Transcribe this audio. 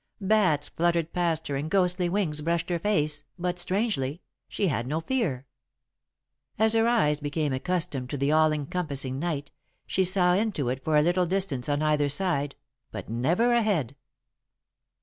Bats fluttered past her and ghostly wings brushed her face, but, strangely, she had no fear. As her eyes became accustomed to the all encompassing night, she saw into it for a little distance on either side, but never ahead.